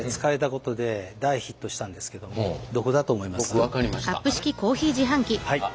僕分かりました。